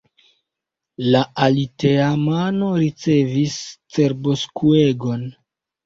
La aliteamano ricevis cerboskuegon.